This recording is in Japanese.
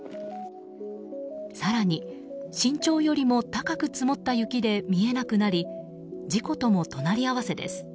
更に、身長よりも高く積もった雪で見えなくなり事故とも隣り合わせです。